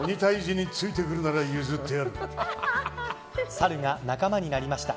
サルが仲間になりました。